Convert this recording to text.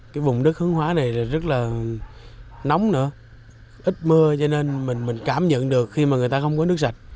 cái vùng đất hướng hóa này rất là nóng nữa ít mưa cho nên mình cảm nhận được khi mà người ta không có nước sạch